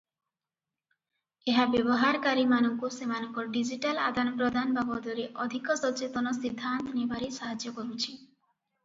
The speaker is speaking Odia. ଏହା ବ୍ୟବହାରକାରୀମାନଙ୍କୁ ସେମାନଙ୍କ ଡିଜିଟାଲ ଆଦାନପ୍ରଦାନ ବାବଦରେ ଅଧିକ ସଚେତନ ସିଦ୍ଧାନ୍ତ ନେବାରେ ସାହାଯ୍ୟ କରୁଛି ।